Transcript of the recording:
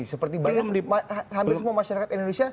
seperti banyak hampir semua masyarakat indonesia